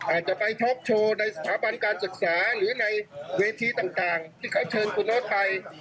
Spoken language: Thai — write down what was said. อาจจะไปท็อกโชว์ในสถาบันการศึกษาหรือในเวทีต่างที่เขาเชิญคุณโนไทย